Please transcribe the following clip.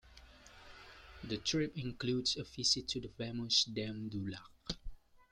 The trip includes a visit to the famous Dame Du Lac.